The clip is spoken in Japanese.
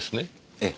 ええ。